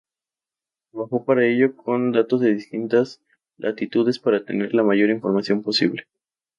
Trabajando para ello con datos de distintas latitudes para tener la mayor información posible.